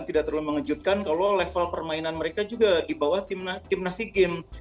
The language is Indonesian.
tidak terlalu mengejutkan kalau level permainan mereka juga di bawah timnas sea games